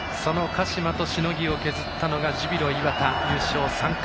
鹿島としのぎを削ったのはジュビロ磐田、優勝３回。